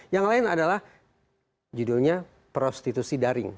yang lain adalah judulnya prostitusi daring